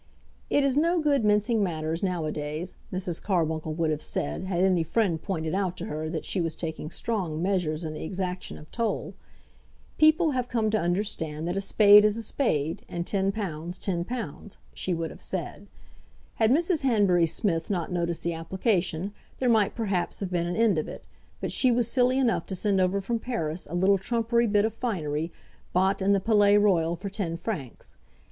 "It is no good mincing matters now a days," Mrs. Carbuncle would have said, had any friend pointed out to her that she was taking strong measures in the exaction of toll. "People have come to understand that a spade is a spade, and £10, £10," she would have said. Had Mrs. Hanbury Smith not noticed the application, there might, perhaps, have been an end of it, but she was silly enough to send over from Paris a little trumpery bit of finery, bought in the Palais Royal for ten francs.